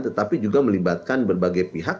tetapi juga melibatkan berbagai pihak